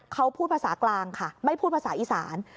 เขาพูดภาษากลางค่ะไม่พูดภาษาอีสาน